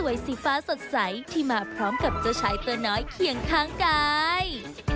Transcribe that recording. สีฟ้าสดใสที่มาพร้อมกับเจ้าชายตัวน้อยเคียงข้างกาย